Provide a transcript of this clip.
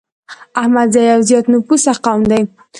احمدزي يو زيات نفوسه قوم دی